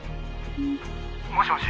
「もしもし？」